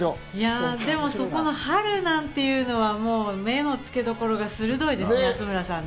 そこの春なんていうのは目の付け所が鋭いですね、安村さん。